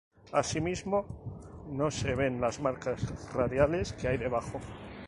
Asimismo, no se ven las marcas radiales que hay debajo.